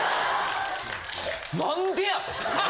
何でや！？と。